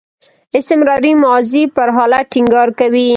استمراري ماضي پر حالت ټینګار کوي.